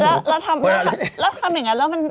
แล้วทำอย่างไงแล้วมัน